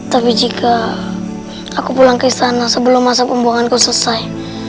tapi jika aku pulang ke istana sebelum masa pembuangan ku selesai